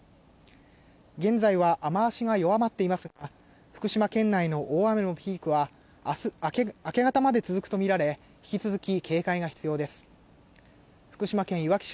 現在は雨足が弱まっていますが、福島県の大雨のピークは明日明け方まで続くとみられ引き続き警戒が必要です。